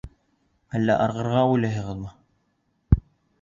Әллә ырғырға уйлайһығыҙмы?